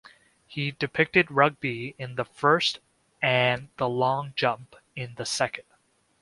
He depicted rugby in the first and the long jump in the second.